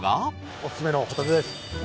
オススメのホタテです。